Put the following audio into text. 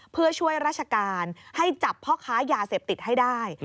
เพื่อช่วยราชการให้จับพ่อค้ายาเสพติดให้ได้